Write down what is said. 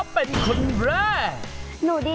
แชมป์กลุ่มนี้คือ